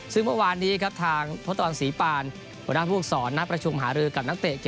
ซึ่งเมื่อวานนี้ครับทางพศรีปานบภูกษรนักประชุมหารือกับนักเตะ